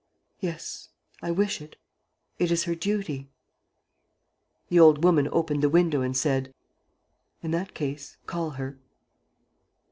"Yes, I wish it, it is her duty." The old woman opened the window and said: "In that case, call her."